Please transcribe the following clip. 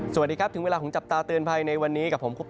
สวัสดีครับถึงเวลาของจับตาเตือนภัยในวันนี้กับผมคุป